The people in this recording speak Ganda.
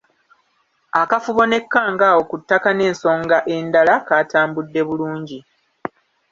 Akafubo ne Kkangaawo ku ttaka n’ensonga endala kaatambudde bulungi.